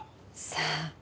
さあ。